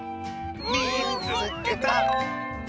「みいつけた！」。